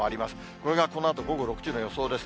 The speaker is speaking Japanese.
これがこのあと午後６時の予想です。